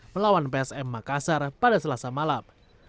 melawan psm makassar pada selasa malam